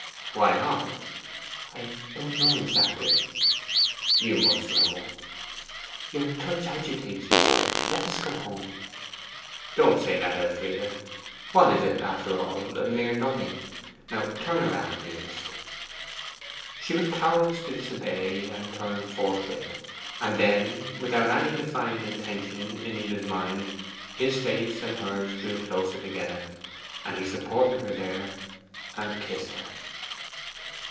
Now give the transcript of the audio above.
'Why not?' 'I don't know exactly.' 'You must know.' 'Your touch agitates me so. Let us go home.' 'Don't say that, Elfride. What is it, after all? A mere nothing. Now turn round, dearest.' She was powerless to disobey, and turned forthwith; and then, without any defined intention in either's mind, his face and hers drew closer together; and he supported her there, and kissed her.